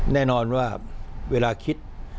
แน่นอนว่าเวลาคิด